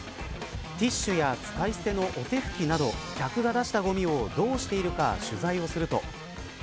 ティッシュや使い捨てのお手拭きなど客が出したごみをどうしているか取材をすると。